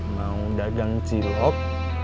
mau dagang cilok